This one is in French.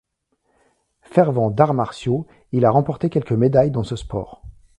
Fervent d'arts martiaux, il a remporté quelques médailles dans ce sport.